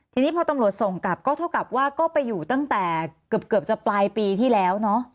ทีนี้พอตำรวจส่งกลับก็เท่ากับว่าก็ไปอยู่ตั้งแต่เกือบจะปลายปีที่แล้วเนอะ